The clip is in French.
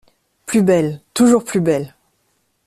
Plus belle, toujours plus belle!